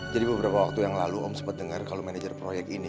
jadi beberapa waktu yang lalu om sempat dengar kalau manajer proyek ini